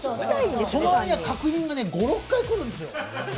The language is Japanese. その割には確認が５６回来るんですよ。